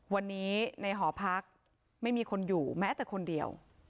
วันนี้ในหอพักไม่มีคนอยู่แม้แต่คนเดียว